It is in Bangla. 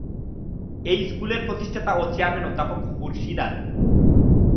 এই স্কুলের প্রতিষ্ঠাতা ও চেয়ারম্যান অধ্যাপক খুরশিদ আলম।